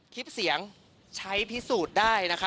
คลิปเสียงใช้พิสูจน์ได้นะคะ